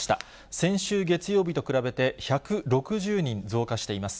先週月曜日と比べて、１６０人増加しています。